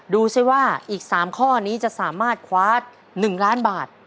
ดูสิว่าอีก๓ข้อนี้จะสามารถคว้า๑ล้านบาท